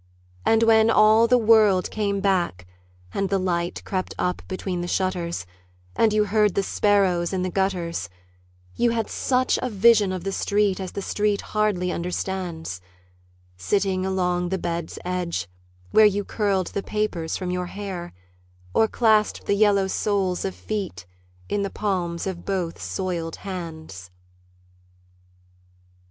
And when all the world came back And the light crept up between the shutters, And you heard the sparrows in the gutters, You had such a vision of the street As the street hardly understands; Sitting along the bed's edge, where You curled the papers from your hair, Or clasped the yellow soles of feet In the palms of both soiled hands.